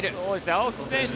青木選手